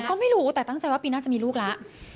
ก็ไม่รู้แต่ตั้งใจว่าปีหน้าจะมีลูกแล้ว